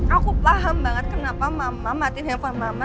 aku paham banget kenapa mama matiin handphone mama